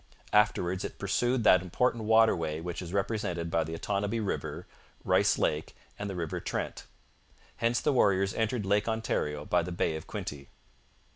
Afterwards it pursued that important waterway which is represented by the Otonabee river, Rice Lake, and the river Trent. Hence the warriors entered Lake Ontario by the Bay of Quinte.